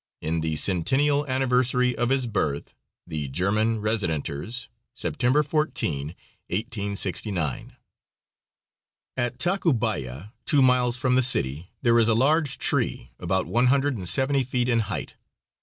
In the centennial anniversary of his birth. The German residenters. September 14, 1869." At Tacubaya, two miles from the city, there is a large tree, about one hundred and seventy feet in height.